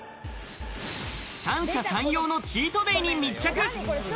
三者三様のチートデイに密着。